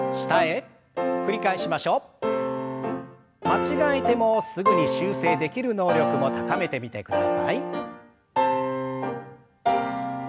間違えてもすぐに修正できる能力も高めてみてください。